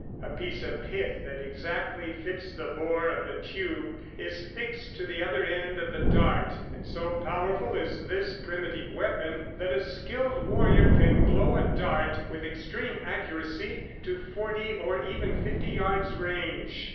A piece of pith that exactly fits the bore of the tube is fixed to the other end of the dart, and so powerful is this primitive weapon that a skilled warrior can blow a dart with extreme accuracy to forty or even fifty yards range.